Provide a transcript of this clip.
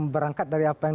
berangkat dari apa yang